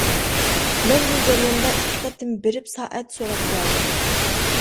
مەن بۇ جەرياندا ئىككى قېتىم بېرىپ، سائەت سوراپ كەلدىم.